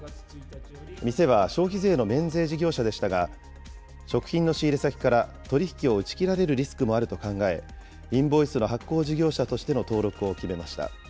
店は消費税の免税事業者でしたが、食品の仕入れ先から取り引きを打ち切られるリスクもあると考え、インボイスの発行事業者としての登録を決めました。